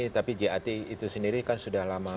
tapi jat itu sendiri kan sudah lama